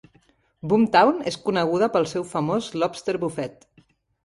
Boomtown és coneguda pel seu famós Lobster Buffet.